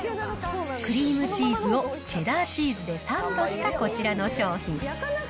クリームチーズをチェダーチーズでサンドしたこちらの商品。